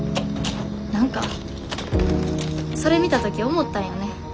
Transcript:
何かそれ見た時思ったんよね。